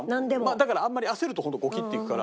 だからあんまり焦ると本当ゴキッていくから。